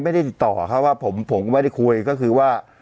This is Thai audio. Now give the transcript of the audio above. ไม่ได้ติดต่อเขาว่าผมไม่ได้คุยก็คือว่า